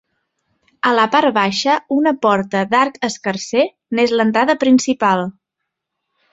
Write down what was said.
A la part baixa, una porta d'arc escarser n'és l'entrada principal.